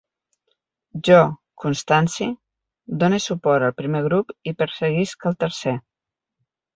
Jo, Constanci, done suport al primer grup i perseguisc el tercer.